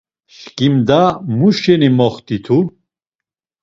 “Şǩimda mu şeni moxt̆itu?”